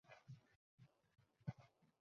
মসজিদে বইস্যা তুই তোর আল্লাহরে ডাকবি।